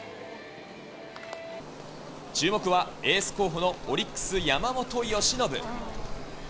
注目はエース候補のオリックス、山本由伸。